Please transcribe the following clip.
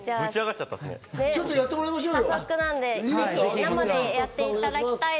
ちょっとやってもらいましょうよ。